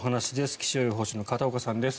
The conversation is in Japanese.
気象予報士の片岡さんです。